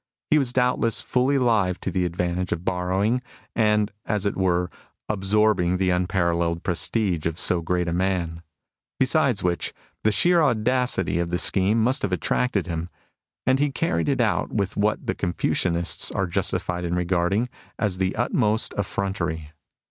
He was doubtless fully alive to the advantage of borrowing and, as it were, absorbing the unparalleled prestige of so great a man ; besides which, the sheer audacity of the scheme must have attracted him ; and he carried it out with what the Confucianists are justified in regarding as the utmost effrontery.